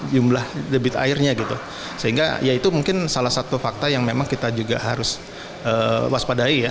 jumlah debit airnya gitu sehingga ya itu mungkin salah satu fakta yang memang kita juga harus waspadai ya